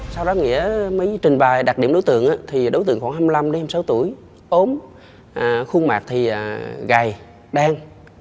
sau đó nghĩa mới trình bài đặc điểm đối tượng thì đối tượng khoảng hai mươi năm hai mươi sáu tuổi ốm khuôn mặt thì gài đen